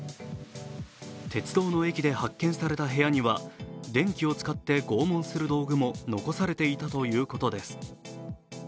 鉄道の駅で発見された部屋には、電気を使って拷問する道具も残されていたということです。